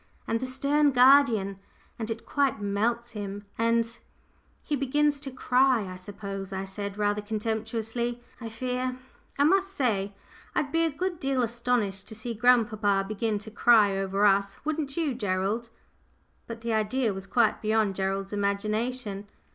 and the stern guardian, and it quite melts him, and " "He begins to cry, I suppose," I said, rather contemptuously, I fear; "I must say I'd be a good deal astonished to see grandpapa begin to cry over us, wouldn't you, Gerald?" But the idea was quite beyond Gerald's imagination.